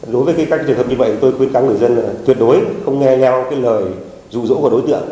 đối với các trường hợp như vậy tôi khuyên các người dân là tuyệt đối không nghe nhau lời rụ rỗ của đối tượng